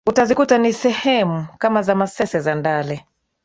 ukazikuta ni sehemu kama za masese zandale